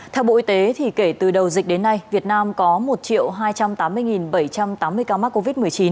theo bộ y tế kể từ đầu dịch đến nay việt nam có một hai trăm tám mươi bảy trăm tám mươi ca mắc covid một mươi chín